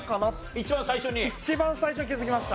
一番最初に気づきました。